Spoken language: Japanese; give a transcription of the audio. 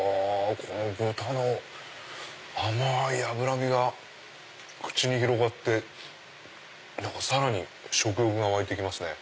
この豚の甘い脂身が口に広がってさらに食欲が湧いて来ますね。